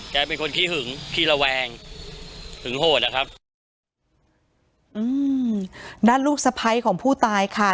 แกเป็นคนขี้หึงขี้ระแวงหึงโหดอะครับอืมด้านลูกสะพ้ายของผู้ตายค่ะ